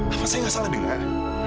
apa saya gak salah dengar